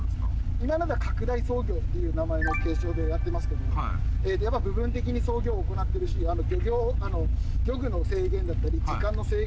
今まだ拡大操業っていう名前のでやってますけどもやっぱ部分的に操業を行ってるし漁具の制限だったり時間の制限